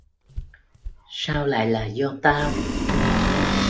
sao lại là do tao